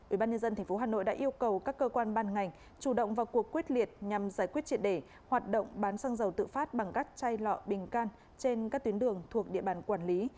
ubnd tp hà nội đã yêu cầu các cơ quan ban ngành chủ động vào cuộc quyết liệt nhằm giải quyết triệt để hoạt động bán xăng dầu tự phát bằng các chai lọ bình can trên các tuyến đường thuộc địa bàn quản lý